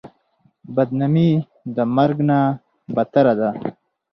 بدنامي د مرګ نه بدتره ده.